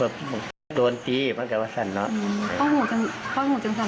ขอโทษล่ะ